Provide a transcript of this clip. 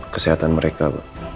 kesehatan mereka pak